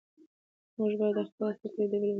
موږ باید د هغه د فکر ډیوې بلې وساتو.